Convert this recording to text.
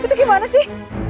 itu gimana sih